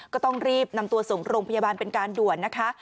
ก็ต้องรีบนำตัวส่งโรงพยาบาลเป็นการด่วนนะคะ